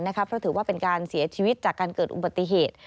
เพราะถือว่าเป็นการเสียชีวิตจากการเกิดอุบัติเหตุ